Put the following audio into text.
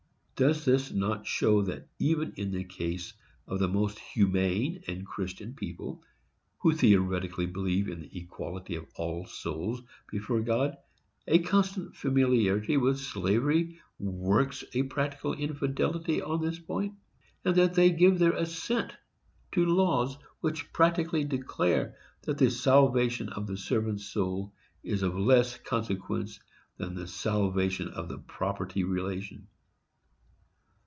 Does this not show that, even in case of the most humane and Christian people, who theoretically believe in the equality of all souls before God, a constant familiarity with slavery works a practical infidelity on this point; and that they give their assent to laws which practically declare that the salvation of the servant's soul is of less consequence than the salvation of the property relation?